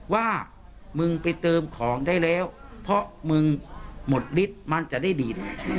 ว่ามึงไปเติมของได้แล้วเพราะมึงหมดฤทธิ์มันจะได้ดิน